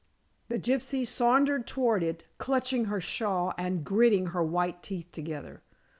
The gypsy sauntered toward it, clutching her shawl and gritting her white teeth together.